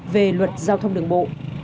về luật giao thông đường bộ